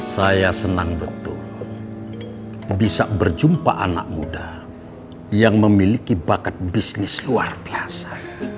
saya senang betul bisa berjumpa anak muda yang memiliki bakat bisnis luar biasa